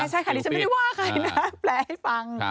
ใช่ค่ะดิฉันไม่ได้ว่าใครนะแปลให้ฟัง